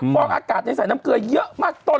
ฟองอากาศในใส่น้ำเกลือเยอะมากต้น